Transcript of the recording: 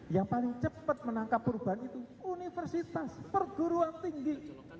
yang paling cepat menangkap perubahan itu universitas perguruan tinggi